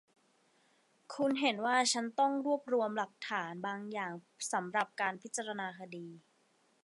คุณเห็นว่าฉันต้องรวบรวมหลักฐานบางอย่างสำหรับการพิจารณาคดี